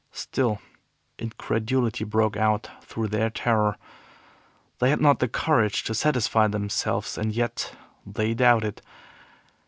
Still incredulity broke out through their terror. They had not the courage to satisfy themselves, and yet they doubted.